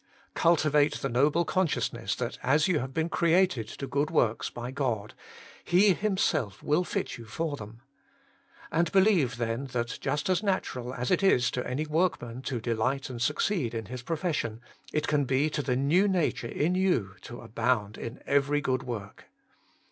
Cultivate the noble consciousness that as you have been created to good works by God, He Himself will fit you for them. And believe then that just as natural as it is to any workmxan to delight and succeed in his profession, it can be to the new nature in you to abound in every good work.